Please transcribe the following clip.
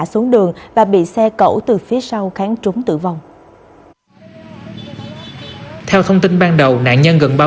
xuống đường và bị xe cẩu từ phía sau kháng trúng tử vong theo thông tin ban đầu nạn nhân gần ba mươi